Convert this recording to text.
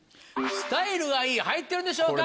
スタイルがいい入ってるでしょうか？